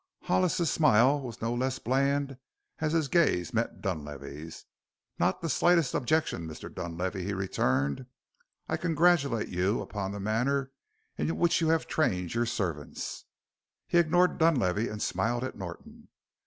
Hollis's smile was no less bland as his gaze met Dunlavey's. "Not the slightest objection, Mr. Dunlavey," he returned. "I congratulate you upon the manner in which you have trained your servants!" He ignored Dunlavey and smiled at Norton.